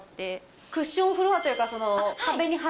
クッションフロアというか壁に張る。